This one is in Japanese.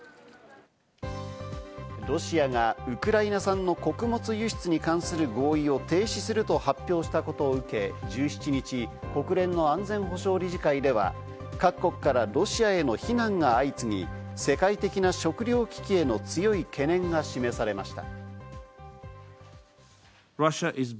ロシアがウクライナ産の穀物輸出に関する合意を停止すると発表したことを受け、１７日、国連の安全保障理事会では、各国からロシアへの非難が相次ぎ、世界的な食糧危機への強い懸念が示されました。